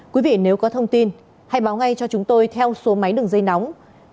quý vị nếu có thông tin hãy báo ngay cho chúng tôi theo số máy đường dây nóng